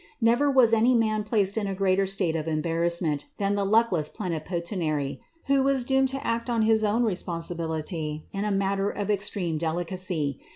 Never was any man placed in a greater state of embarrsMment than the luckless plenipotentiary, who was doomed to act on hia own responsi bility in a matter of such extreme delicacy.